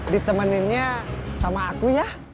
ditemeninnya sama aku ya